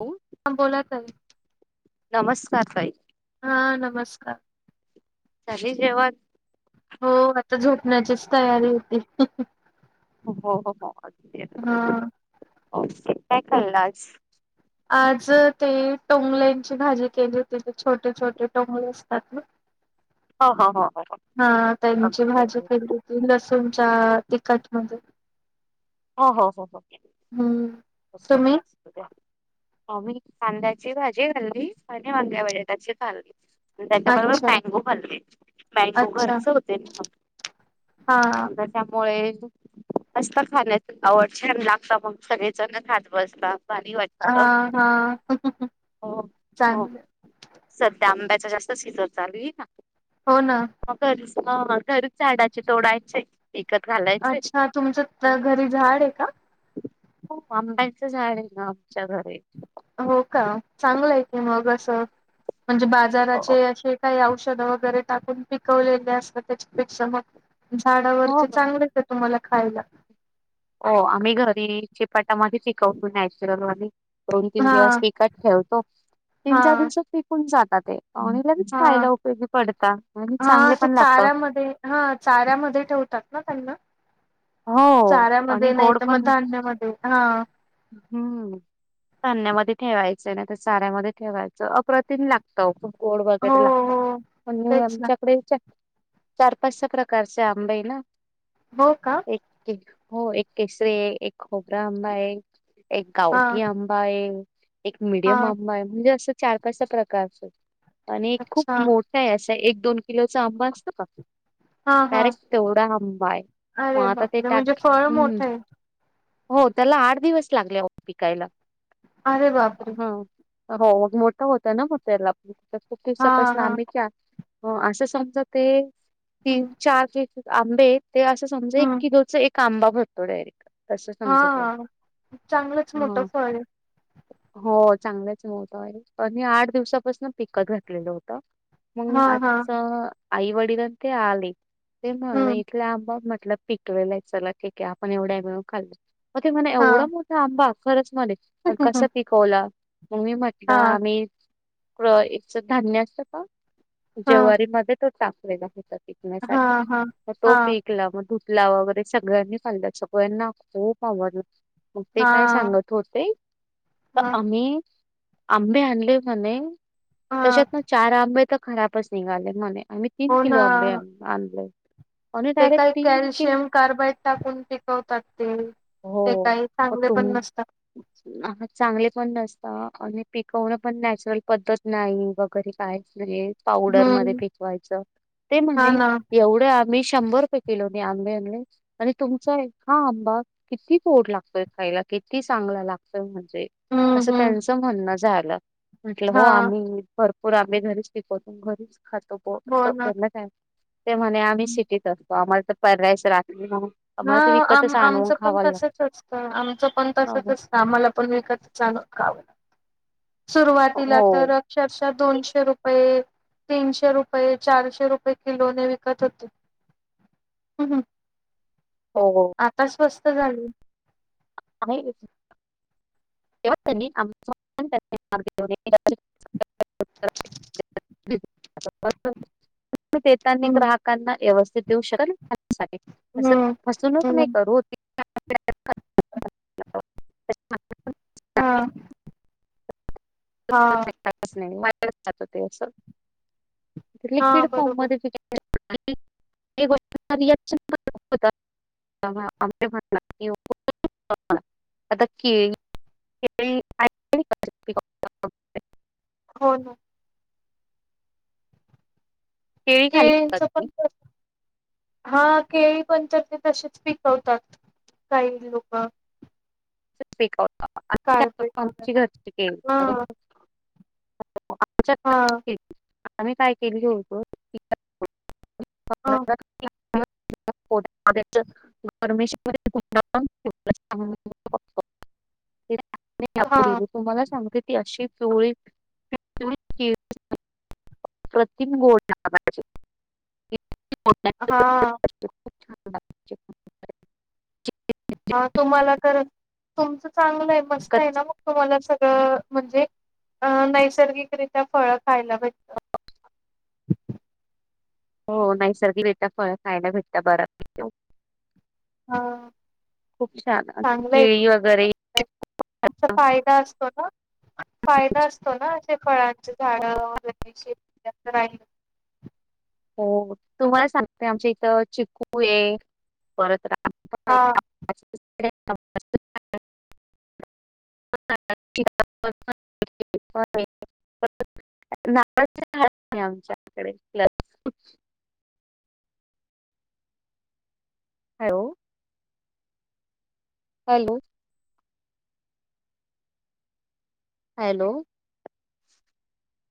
हो ह बोला ताई नमस्कार ताई हा नमस्कार झाले जेवण? हो, आता झोपण्याचीच तयारी होती हो, हो हो हा काय खालले आज आज ते टोंगल्यांची भाजी केली होती ते छोटे छोटे टोंगले असतातना हो हो हो हो हा, त्यांची अगदी भाजी केली होती, लसून तिखट मध्ये, हो हो हो तुम्ही आ मी कांद्याची भाजी घाल्ली आणि अां [unintelligible] ग्या बजटची खाल्ली अच्छा त्याच्याबरोबर मँगो खाल्ले, मँगो अच्छा घरच होते ना- हा त्या त्यामुळे असत खाण्या- आवड आणि लागता मग सनेच न खात बसता भारी हा वाटत. [unintelligible] हा हो हो चांगलं सध्या आंब्याचा जास्त सिजन चालू आहे- हो ना. हा घरच डाचे तोडायचे [unintelligible] विकत घालायचं, अच्छा तुमचं घरी झाड आहे का हो आंब्यांचं झाडे ना आमच्या घरी- हो का, चांगलं आहे की मग अस म्हणजे, हो. बाजाराचे असे काही औष- वगैरे टाकून पिकवलेले असतात, त्याच्यापेक्षा मग झाडावरती चांगलेच तुम्हाला- खायला. हो आम्ही घरी चिपाटामध्येध पिकवतो नॅचरल आणि- दोन तीन हा दिवस विकट खेळतो, तीन हा चार दिवसात विकून जातात ते- आणि लगेच हा खायला उपयोगी पडता आणि हा चांगले ते पण लागत चाऱ्यामध्ये हा, चाऱ्यामध्ये ठेवत- हो आणि चाऱ्यामध्ये नाही गोड तर, मग पण धान्यामध्ये हा- हम्म. धान्यामध्ये ठेवायचं नाही, तर चाऱ्यामध्ये ठेवायचं अप्रतिम लागत- गोड हो वगैरे लागतात हो आणि तेच ना आमच्याकडे- चार पाच प्रकारचे आंब ना हो का एक [unintelligible] हो एक केसरी आहे, एक खोबरा आंबा आहे, एक हा गावठी आंबा आहे- एक मिडियम हा आंबा आहे, म्हणजे असं चार पाचच्या प्रकारच- आणि खूप अच्छा मोठा आहे, असा एक दोन किलोच आंबा असत का- हा हा डायरेक्ट तेवढा आंबा हाय म अरे आता ते - बापरे म्हणजे फळ मोठं आहे हो, त्याला आठ दिवस लागले पिकायला- अरे बापरे. हा हो मग मोठं होतं ना, [unintelligible] मग त्याला हा किसापसला हा आम्ही क हो, असं समजा, ते हम्म तीन चार आंबे- ते असं समज एक हम्म किलोच एक आंबा भरतो, डायरेक्ट असं समजतो- हा चांगलंच मोठं फळ आहे. हो चांगलंच मोठ आणि आठ दिवसापासून पिकत घातलेलं होतं. हा मग हा आजच आई वडलान ते आले ते म् [unintelligible] ह हम्म इथले आंबा म्हट पिकलेला चला ठीक आहे, आपण एवढ्या मिळून खाल् मग ते एवढा हां. मोठा आंबा खरच- मध्ये मग कस पिकवलं, मग मी म्हटलं हां, आम्ही- च धान्य असत का? हां, ज्वारी मध्ये तो टाकलेला आहे [unintelligible] पिकण्यासाठी, हां, हां, तो हां, पिकला मग- लावा वगैरे सगळ्यांनी खाल्लं, सगळ्यांना खूप आवडलं. मग ते काय हां, सांगत होते, तर हां, आम्ही आंबे आणले म्हणे- हां. त्याच्यात ना चार आंबे तर खराबच निघाले म्हणे- आम्ही तीन हो ना. किलो आंबे आणले. आणि ते डायरेक्ट काही तीन किलो कॅल्शियम कार्बाईड टाकून पिकवतात, ते- ते हो काही मग चांगले पण तुम् नसतात. चांगले पण नसतात. आणि पिकवणं पण नॅचरल पद्धत नाही वगैरे कायच- पावडर मधे हम्म. पिकवायच, ते हां म्हणे ना. एवढं आम्ही- शंभर रुपये किलोनी आंबे आणले आणि तुमचा हा आंबा- किती गोड लागतय खायला, किती चांगला लागतोय, म्हणजे हम्म, असं हम्म. त्यांचं म्हणणं झाल- म्हटलं हो हां. आम्ही भरपूर आम्ही घरीच पिकवतो घरीच- खातो हो ना. ध का ते म्हणे आम्ही सिटीत असतो आम्हाला तर पर्याश राखली म्हण [unintelligible] हा आम आमच- पण तसच असतं, आमचं पण तसच लागत असतं, आम्हाला पण विकतच आणून खाव- सुरुवातीला हो तर अक्षरशः दोनशे रुपये तीनशे रुपये चारशे रुपये किलोने विकत होते [inaudible] हम् हम् हो [inaudible] आता स्वस्त झाले [unintelligible] [unintelligible] [inaudible] [unintelligible] तु देतानी हम्म ग्राहकांना व्यवस्थित देऊ शकाल [unintelligible] हम्म असं फसवणूक नाही हम्म. करू [unintelligible] [unintelligible] हा [unintelligible] लिक्विड हां, फॉर्म बरोबर. मध्ये ग [inaudible] या गोष्टी चे रिकेशन [unintelligible] [unintelligible] हो ना केळी खाली त्ही [inaudible] हा केळी पण तर ते तसेच पिकवतात [inaudible] काही लोक वगैरे. हां, [unintelligible] [unintelligible] आच्या हां, आम्ही काय केली होत [unintelligible] हां, [unintelligible] [unintelligible] [inaudible] परमेश् [unintelligible] हां, तुम्हाला सांगते अशी चोळी [unintelligible] हां, [unintelligible] [unintelligible] हा तुम्हाला तर तुमचं चांगलं आहे मस्त आहे कच्च ना मग तुम्हाला म्हणजे अ नैसर्गिकरित्या फळ खायला भेटत [inaudible] हो नैसर्गिक भेटता फ खायला भेटत बर हा [inaudible] आणि चांगलंय केळी तुम वगैरे त [inaudible] फायदा असतो ना फायदा असतो ना असे फळांचे झाड वगैरशी राहाल हो तुम्हाला सांगते आमच्या इथं चिकू ये परत रा हा [inaudible] [unintelligible] नावा आमच्याकडे्स [inaudible] हॅलो हॅलो हॅलो